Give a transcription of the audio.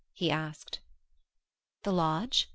he asked. "The lodge?"